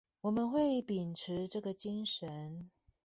我們會秉持這個精神